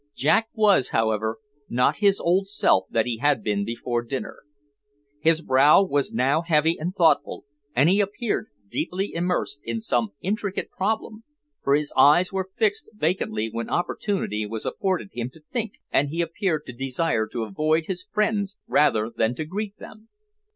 Jack was, however, not his old self that he had been before dinner. His brow was now heavy and thoughtful, and he appeared deeply immersed in some intricate problem, for his eyes were fixed vacantly when opportunity was afforded him to think, and he appeared to desire to avoid his friends rather than to greet them.